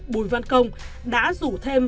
bùi văn công đã rủ thêm